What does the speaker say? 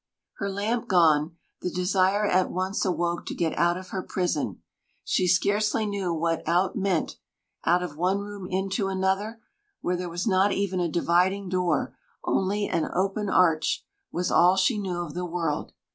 Her lamp gone, the desire at once awoke to get out of her prison. She scarcely knew what out meant; out of one room into another, where there was not even a dividing door, only an open arch, was all she knew of the world.